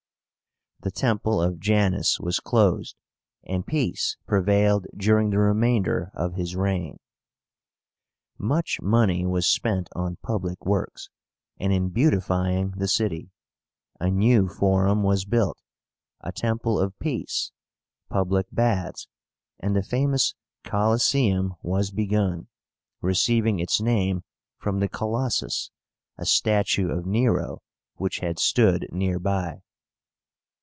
The Temple of Janus was closed, and peace prevailed during the remainder of his reign. Much money was spent on public works, and in beautifying the city. A new Forum was built, a Temple of Peace, public baths, and the famous COLOSSÉUM was begun, receiving its name from the Colossus, a statue of Nero, which had stood near by.